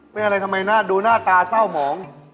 เป็นอะไรทำไมหน้าดูหน้าตาเศร้าหมอง